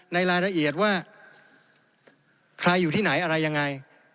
ในรายละเอียดว่าใครอยู่ที่ไหนอะไรยังไง